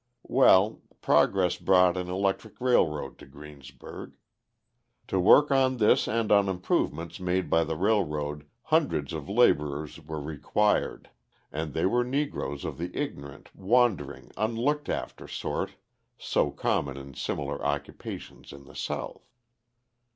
Well, progress brought an electric railroad to Greensburg. To work on this and on improvements made by the railroad hundreds of labourers were required. And they were Negroes of the ignorant, wandering, unlooked after sort so common in similar occupations in the South.